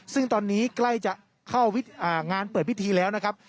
ซึ่งตอนนี้ใกล้จะเข้างานเปิดพิธีแล้วนะครับ